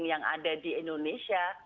yang ada di indonesia